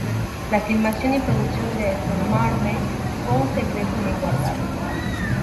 La filmación y producción de "The Mermaid" fue un secreto bien guardado.